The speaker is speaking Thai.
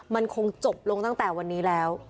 มันคงจบลงตั้งแต่วันนี้แล้ว